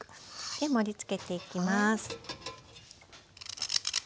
で盛りつけていきます。